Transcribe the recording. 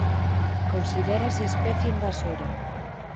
Considérase especie invasora.